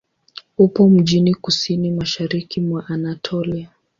Upo mjini kusini-mashariki mwa Anatolia.